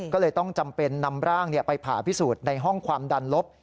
ก็เลยต้องจำเป็นนำร่างไปผ่าพิสูจน์ในห้องความดันลบ